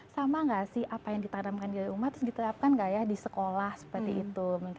sama nggak sih apa yang ditanamkan di rumah terus diterapkan nggak ya di sekolah seperti itu